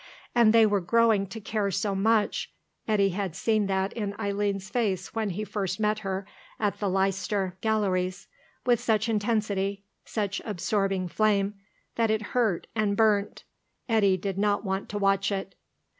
And they were growing to care so much Eddy had seen that in Eileen's face when first he met her at the Leicester Galleries with such intensity, such absorbing flame, that it hurt and burnt.... Eddy did not want to watch it.